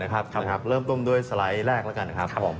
เรามาสรุปกันหน่อยเริ่มต้นด้วยสไลด์แรกแล้วกัน